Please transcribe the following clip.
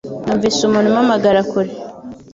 Numvise umuntu umpamagara kure